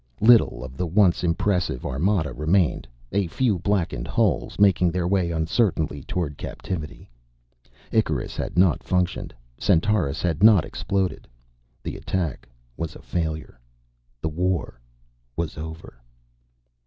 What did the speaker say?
Little of the once impressive armada remained. A few blackened hulks, making their way uncertainly toward captivity. Icarus had not functioned. Centaurus had not exploded. The attack was a failure. The war was over.